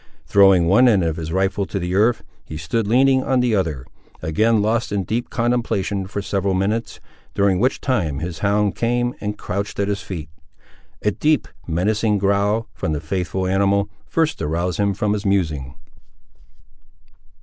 Throwing one end of his rifle to the earth, he stood leaning on the other, again lost in deep contemplation for several minutes, during which time his hound came and crouched at his feet. A deep, menacing growl, from the faithful animal, first aroused him from his musing.